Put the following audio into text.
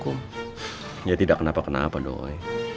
kalau tidak bisa apa apa kenapa tidak boleh